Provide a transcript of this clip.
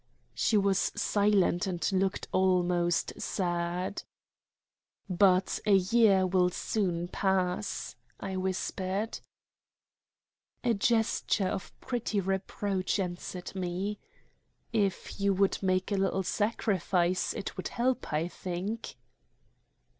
She was silent and looked almost sad. "But a year will soon pass," I whispered. A gesture of pretty reproach answered me. "If you would make a little sacrifice, it would help, I think."